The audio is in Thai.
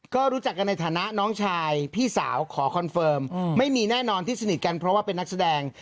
ก็รู้จักกันในฐานะน้องชายพี่สาวขอคอนเฟิร์มไม่มีแน่นอนที่สนิทกันเพราะว่าเป็นนักแสดง